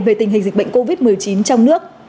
về tình hình dịch bệnh covid một mươi chín trong nước